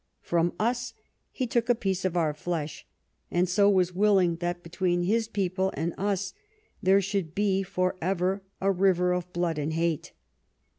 From us, he took a piece of our flesh ; and so was willing that between his people and us there should be for ever a river of blood and hate.